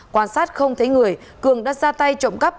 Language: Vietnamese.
quan sát không thấy người cường đã ra tay trộm cắp